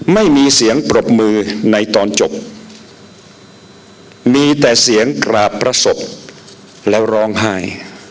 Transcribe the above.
ไม่มีเสียงปรบมือในตอนจบมีแต่เสียงกราบพระศพแล้วร้องไห้